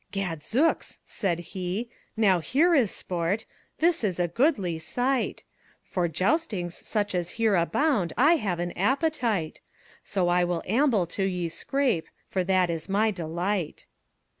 "Gadzookes!" he sayde; "now, here is sporte! Thys is a goodlie syghte. For joustynges soche as here abound I have an appetyte; So I will amble to ye scrappe, For that is my delyghte."